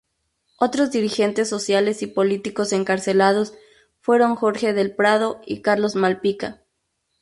Otros dirigentes sociales y políticos encarcelados fueron Jorge del Prado y Carlos Malpica.